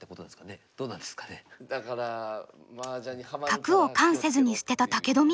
角をカンせずに捨てた武富。